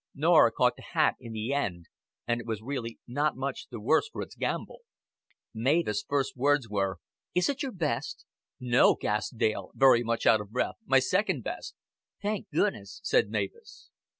Norah caught the hat in the end, and it was really not much the worse for its gambol. Mavis' first words were, "Is it your best?" "No," gasped Dale, very much out of breath; "my second best." "Thank goodness," said Mavis.